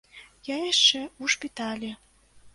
Я яшчэ ў шпіталі.